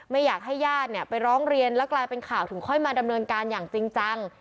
ไม่อยากให้ญาติเนี่ยไปร้องเรียนแล้วกลายเป็นข่าวถึงค่อยมาดำเนินการอย่างจริงจัง